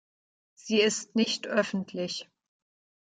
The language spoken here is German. Sie ist nicht öffentlich.